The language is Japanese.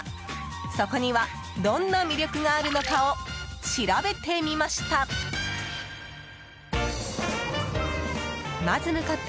そこにはどんな魅力があるのかを調べてみました。